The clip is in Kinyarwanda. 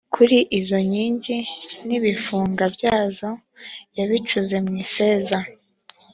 kuri izo nkingi n ibifunga byazo yabicuze mu ifeza